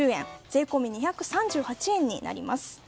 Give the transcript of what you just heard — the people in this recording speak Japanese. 税込み２３８円になります。